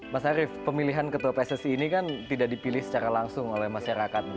mas arief pemilihan ketua pssi ini kan tidak dipilih secara langsung oleh masyarakat